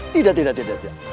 tidak tidak tidak